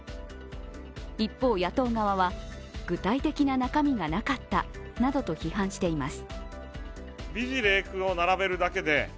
一方、野党側は、具体的な中身がなかったなどと批判しています。